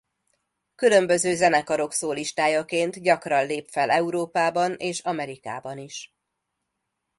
Különböző zenekarok szólistájaként gyakran lép fel Európában és Amerikában is.